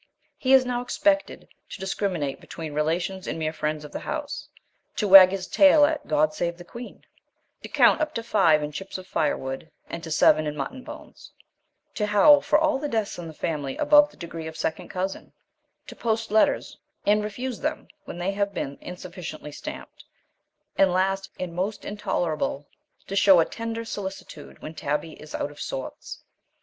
He is now expected to discriminate between relations and mere friends of the house; to wag his tail at God Save the Queen; to count up to five in chips of fire wood, and to seven in mutton bones; to howl for all deaths in the family above the degree of second cousin; to post letters, and refuse them when they have been insufficiently stamped; and last, and most intolerable, to show a tender solicitude when tabby is out of sorts."